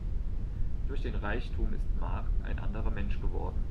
Durch den Reichtum ist Mark ein anderer Mensch geworden.